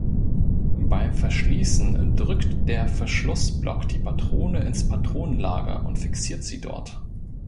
Beim Verschließen drückt der Verschlussblock die Patrone ins Patronenlager und fixiert sie dort.